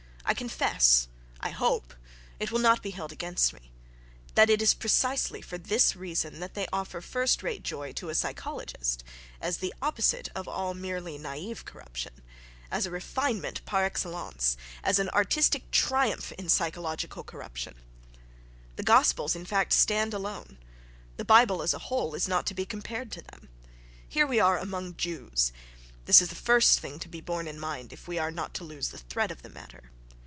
I confess—I hope it will not be held against me—that it is precisely for this reason that they offer first rate joy to a psychologist—as the opposite of all merely naïve corruption, as refinement par excellence, as an artistic triumph in psychological corruption. The gospels, in fact, stand alone. The Bible as a whole is not to be compared to them. Here we are among Jews: this is the first thing to be borne in mind if we are not to lose the thread of the matter.